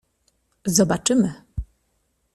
Zobaczmy.